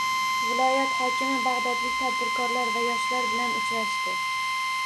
Viloyat hokimi bag‘dodlik tadbirkorlar va yoshlar bilan uchrashdi